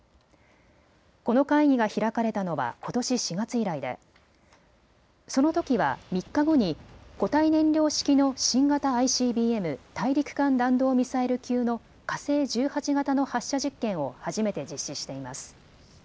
この会議が開かれたのはことし４月以来でそのときは３日後に固体燃料式の新型ＩＣＢＭ・大陸間弾道ミサイル級の火星１８型の発射実験を初めて実施しています。